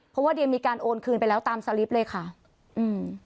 เพราะว่าเดียมีการโอนคืนไปแล้วตามสลิปเลยค่ะอืม